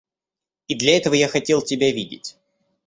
И для этого я хотел тебя видеть.